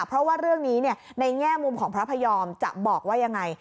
เพราะว่าเรื่องนี้ในแง่มุมของพระพยอมจะบอกว่ายังไง